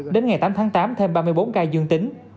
đến ngày tám tháng tám thêm ba mươi bốn ca dương tính